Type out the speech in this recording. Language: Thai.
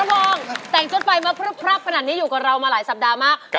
วองแต่งจนไปมาพลึบพรับขนาดนี้อยู่กับเรามาหลายสัปดาห์มาก